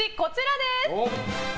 こちらです。